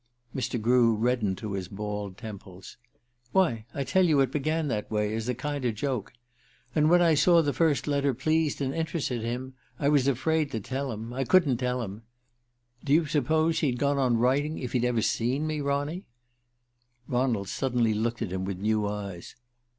Mr. Grew reddened to his bald temples. "Why, I tell you it began that way, as a kinder joke. And when I saw that the first letter pleased and interested him, I was afraid to tell him I couldn't tell him. Do you suppose he'd gone on writing if he'd ever seen me, Ronny?" Ronald suddenly looked at him with new eyes.